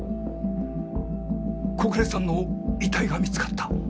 小暮さんの遺体が見つかった！？